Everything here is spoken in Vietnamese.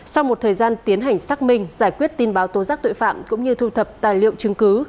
sau một thời gian tiến hành xác minh giải quyết tin báo tố giác tội phạm cũng như thu thập tài liệu chứng cứ